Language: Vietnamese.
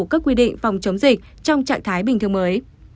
các quy định phòng chống dịch trong trạng thái bình thường mới